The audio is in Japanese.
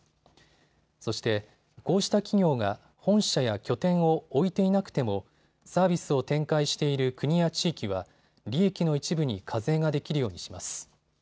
そして、こうした企業が本社や拠点を置いていなくてもサービスを展開している国や地域は利益の一部に課税ができるようにします。